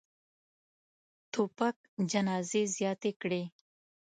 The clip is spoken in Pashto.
توپک جنازې زیاتې کړي.